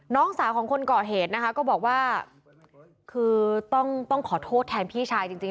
น้องสาวของคนก่อเหตุนะคะก็บอกว่าคือต้องขอโทษแทนพี่ชายจริง